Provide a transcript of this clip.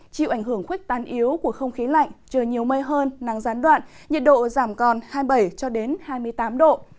chịu ảnh hưởng khuếch tán yếu của không khí lạnh trời nhiều mây hơn nắng gián đoạn nhiệt độ giảm còn hai mươi bảy cho đến hai mươi tám độ